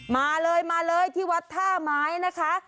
มาเลยที่วัดท่าไม้นะคะ